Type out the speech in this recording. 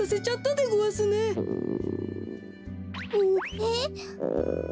えっ？